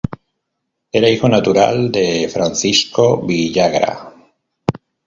Era hijo natural de Francisco de Villagra.